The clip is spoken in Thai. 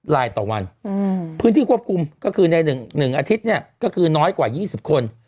ลายต่อวันพื้นที่ควบคุมก็คือใน๑อาทิตย์เนี่ยก็คือน้อยกว่า๒๐คน